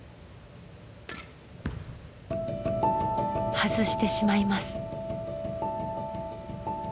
外してしまいます。